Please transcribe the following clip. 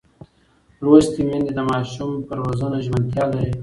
لوستې میندې د ماشوم پر روزنه ژمنتیا لري.